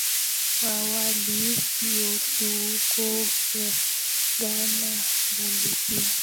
wa hali sio tu huko Fergana bali pia